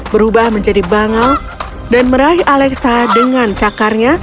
berubah menjadi bangal dan meraih alexa dengan cakarnya